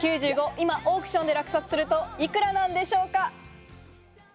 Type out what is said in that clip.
今オークションで落札すると幾らなんでしょうか？